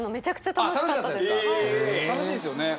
楽しいですよね。